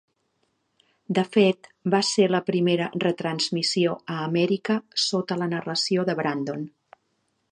De fet, va ser la primera retransmissió a Amèrica sota la narració de Brandon.